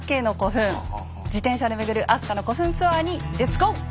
自転車で巡る飛鳥の古墳ツアーにレッツゴー！